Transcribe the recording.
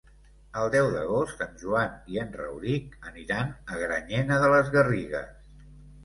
El deu d'agost en Joan i en Rauric aniran a Granyena de les Garrigues.